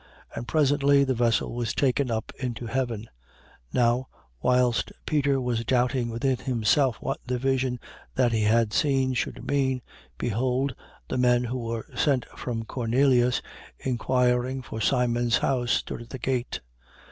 And presently the vessel was taken up into heaven. 10:17. Now, whilst Peter was doubting within himself what the vision that he had seen should mean, behold the men who were sent from Cornelius, inquiring for Simon's house, stood at the gate.